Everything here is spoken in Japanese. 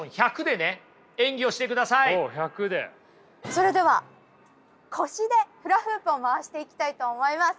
それでは腰でフラフープを回していきたいと思います。